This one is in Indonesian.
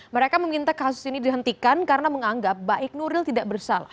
mereka meminta kasus ini dihentikan karena menganggap baik nuril tidak bersalah